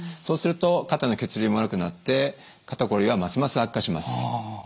そうすると肩の血流も悪くなって肩こりはますます悪化します。